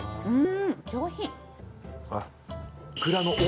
うん。